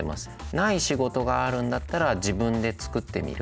ない仕事があるんだったら自分で作ってみる。